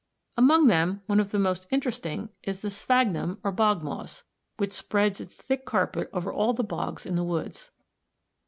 Among them one of the most interesting is the sphagnum or bog moss (Fig. 36), which spreads its thick carpet over all the bogs in the woods.